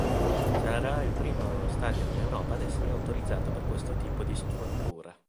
Sarà il primo stadio in Europa ad essere autorizzato per questo tipo di struttura.